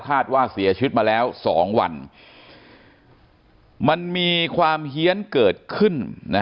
คาดว่าเสียชีวิตมาแล้ว๒วันมันมีความเฮียนเกิดขึ้น